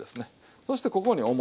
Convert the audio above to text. そしてここにお餅。